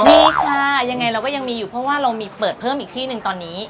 มีค่ะยังไงเราก็ยังมีอยู่เพราะว่าเรามีเปิดเพิ่มอีกที่หนึ่งตอนนี้